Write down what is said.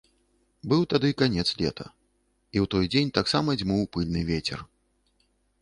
Быў тады канец лета, і ў той дзень таксама дзьмуў пыльны вецер.